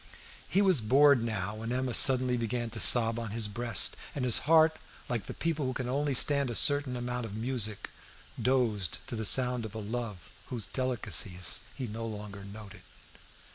He was bored now when Emma suddenly began to sob on his breast, and his heart, like the people who can only stand a certain amount of music, dozed to the sound of a love whose delicacies he no longer noted.